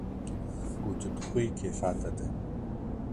Ku tu dixwî keyfa te tê